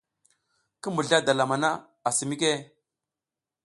Ki mbuzla dalam hana asi mike ?